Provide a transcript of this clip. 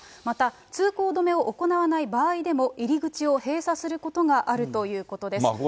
また通行止めを行わない場合でも、入り口を閉鎖することがあるということです。